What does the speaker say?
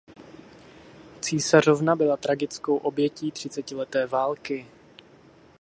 Císařovna byla tragickou obětí třicetileté války.